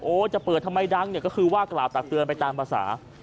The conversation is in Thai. จะเปิดทำไมดังเนี่ยก็คือว่ากล่าวตักเตือนไปตามภาษา